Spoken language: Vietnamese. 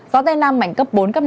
gió tây nam mạnh cấp bốn cấp năm